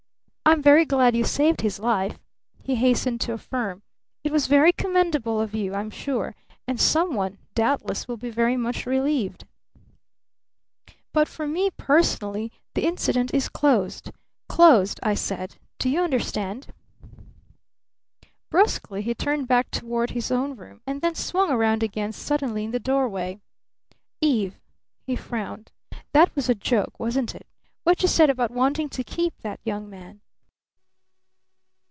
I'm very glad you saved his life," he hastened to affirm. "It was very commendable of you, I'm sure, and some one, doubtless, will be very much relieved. But for me personally the incident is closed! Closed, I said. Do you understand?" Bruskly he turned back toward his own room, and then swung around again suddenly in the doorway. "Eve," he frowned. "That was a joke wasn't it? what you said about wanting to keep that young man?"